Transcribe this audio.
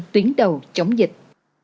tuyến đầu chống dịch